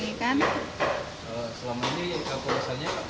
selama ini yang kekawasannya